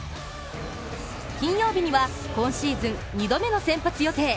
金曜日には今シーズン２度目の先発予定。